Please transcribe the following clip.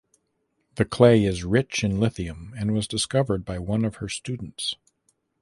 The clay is rich in lithium and was discovered by one of her students.